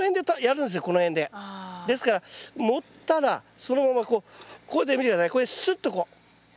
ですから盛ったらそのままこうここで見て下さいこれですっとこう。